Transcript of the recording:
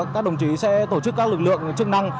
các đồng chí sẽ tổ chức các lực lượng chức năng